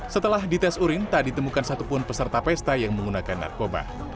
setelah dites urin tak ditemukan satupun peserta pesta yang menggunakan narkoba